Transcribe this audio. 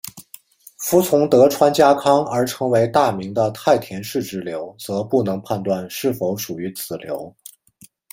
服从德川家康而成为大名的太田氏支流则不能判断是否属于此流。